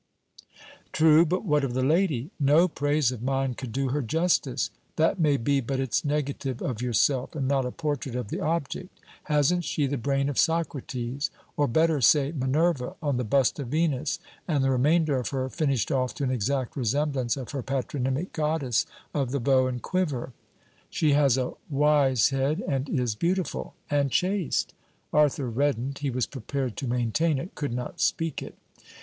'True; but what of the lady?' 'No praise of mine could do her justice.' 'That may be, but it's negative of yourself, and not a portrait of the object. Hasn't she the brain of Socrates or better, say Minerva, on the bust of Venus, and the remainder of her finished off to an exact resemblance of her patronymic Goddess of the bow and quiver?' 'She has a wise head and is beautiful.' 'And chaste.' Arthur reddened: he was prepared to maintain it, could not speak it.